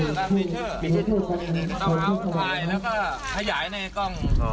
เธอเจ้าหาวะพราศุกร์ใหม่แล้วก็ขยายในกล้องอ๋อ